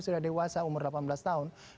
sudah dewasa umur delapan belas tahun